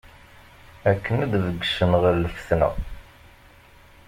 Akken ad d-beggsen ɣer lfetna.